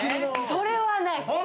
それはない！